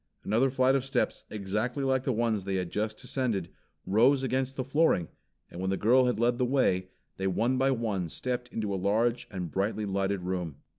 Another flight of steps exactly like the ones they had just descended rose against the flooring; and when the girl had led the way, they one by one stepped into a large and brightly lighted room.